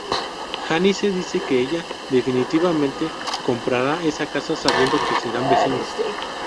Janice dice que ella definitivamente comprará esa casa sabiendo que serán vecinos.